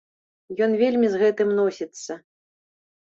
Ён вельмі з гэтым носіцца!